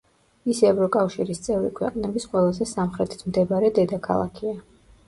ის ევროკავშირის წევრი ქვეყნების ყველაზე სამხრეთით მდებარე დედაქალაქია.